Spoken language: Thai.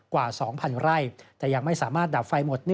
กว่า๒๐๐๐ไร่แต่ยังไม่สามารถดับไฟหมด